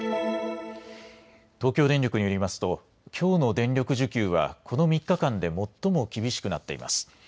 東京電力によりますときょうの電力需給はこの３日間で最も厳しくなっています。